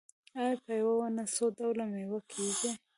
آیا په یوه ونه څو ډوله میوه کیږي؟